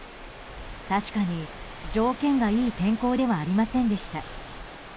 確かに条件がいい天候ではありませんでした。